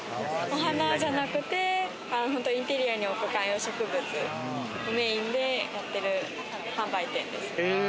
お花じゃなくてインテリアに置く観葉植物をメインでやっている販売店です。